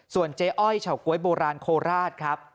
เจ๊อ้อยเฉาก๊วยโบราณโคราชครับ